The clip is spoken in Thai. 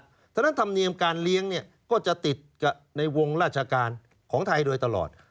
เพราะฉะนั้นธรรมเนียมการเลี้ยงเนี่ยก็จะติดกับในวงราชการของไทยโดยตลอด